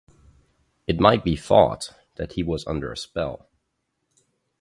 It might be thought that he was under a spell.